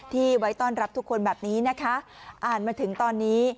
ไว้ต้อนรับทุกคนแบบนี้นะคะอ่านมาถึงตอนนี้